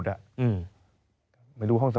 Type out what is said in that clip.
ไม่รู้ว่าใบการฝั่งเองใส่ห้องสมุด